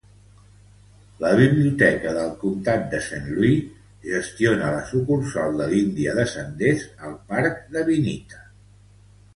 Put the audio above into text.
La biblioteca del comtat de Saint Louis gestiona la sucursal de l'Índia de senders al parc de Vinita.